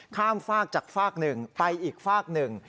ฝากจากฝากหนึ่งไปอีกฝากหนึ่ง